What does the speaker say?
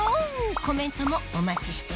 コメントもお待ちしてます！